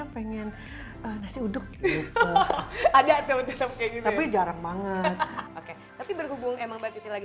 pengen nasi uduk ada tetap kayak gini tapi jarang banget oke tapi berhubung emang mbak titi lagi